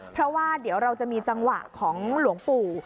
เพราะว่าเดี๋ยวเราจะมีจังหวะของหลวงปู่